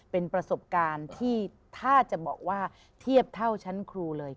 เป็นประสบการณ์ที่ถ้าจะบอกว่าเทียบเท่าชั้นครูเลย